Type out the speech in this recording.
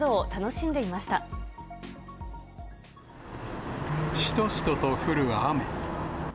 しとしとと降る雨。